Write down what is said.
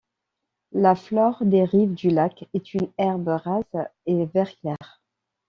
La flore des rives du lac est une herbe rase et vert clair.